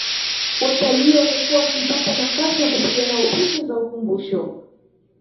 Watalii wamekuwa wakipata nafasi ya kupiga nao picha za ukumbusho